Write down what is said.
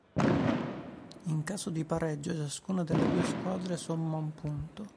In caso di pareggio, ciascuna delle due squadre somma un punto.